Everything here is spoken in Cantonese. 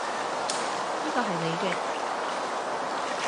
呢個係你嘅